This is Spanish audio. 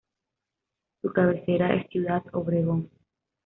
Su cabecera es Ciudad Obregón.